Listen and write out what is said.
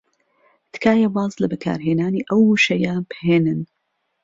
تکایە واز لە بەکارهێنانی ئەو وشەیە بهێنن.